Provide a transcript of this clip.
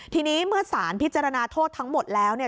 ทีนี้เมื่อสารพิจารณาโทษทั้งหมดแล้ว